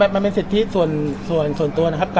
มันเป็นสิทธิส่วนตัวนะครับ